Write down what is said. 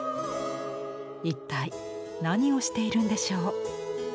一体何をしているんでしょう？